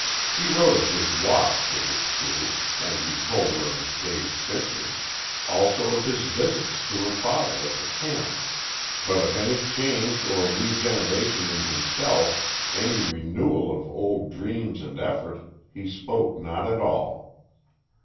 He wrote of his walks, it is true, and he told her of his day's fishing also of his visits to her father at the camp but of any change or regeneration in himself, any renewal of old dreams and effort, he spoke not at all.